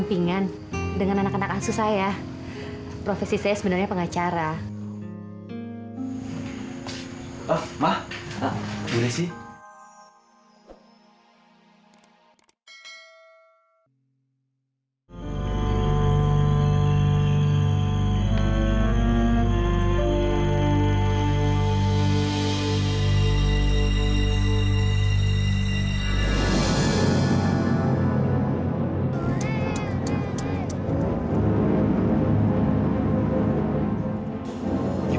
ibra nabil kalian ngapain di sini